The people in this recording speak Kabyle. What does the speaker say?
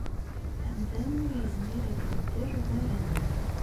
Amdan ur yezmir ad yedder war aman.